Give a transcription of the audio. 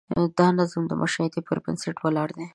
دا نظم د مشاهدې پر بنسټ ولاړ دی.